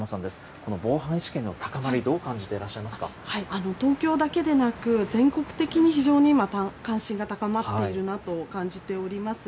この防犯意識の高まり、どう感じ東京だけでなく、全国的に非常に今、関心が高まっているなと感じております。